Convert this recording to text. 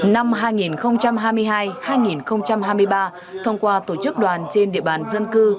năm hai nghìn hai mươi hai hai nghìn hai mươi ba thông qua tổ chức đoàn trên địa bàn dân cư